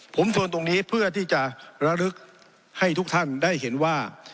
ผมทวนตรงนี้เพื่อที่จะระลึกให้ทุกท่านได้เห็นว่า